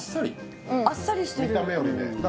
あっさりしてる見た目よりね